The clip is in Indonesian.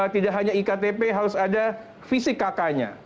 tidak hanya iktp harus ada fisik kk nya